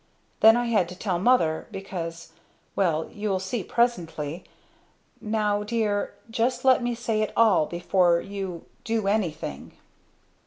Then I had to tell mother because well you'll see presently. Now dear just let me say it all before you do anything."